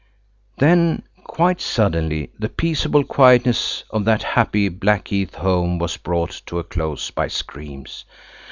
Then, quite suddenly, the peaceable quietness of that happy Blackheath home was brought to a close by screams.